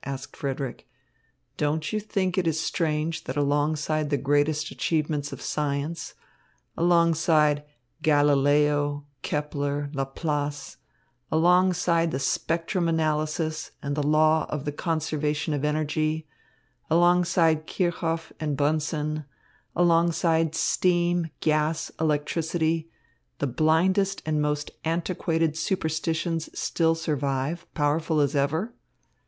asked Frederick. "Don't you think it is strange that alongside the greatest achievements of science, alongside Galileo, Kepler, Laplace; alongside the spectrum analysis and the law of the conservation of energy; alongside Kirchoff and Bunsen; alongside steam, gas, electricity, the blindest and most antiquated superstitions still survive, powerful as ever?